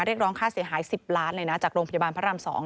เรียกร้องค่าเสียหาย๑๐ล้านเลยนะจากโรงพยาบาลพระราม๒